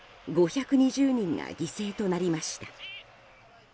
５２０人が犠牲となりました。